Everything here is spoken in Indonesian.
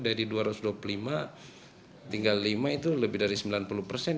dari dua ratus dua puluh lima tinggal lima itu lebih dari sembilan puluh persen